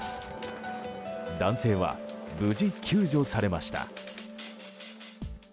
男性は無事救助されました。